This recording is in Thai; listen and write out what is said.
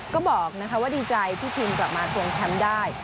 ก็บอกว่าดีใจที่ทีมกลับมาทวงแชมป์ได้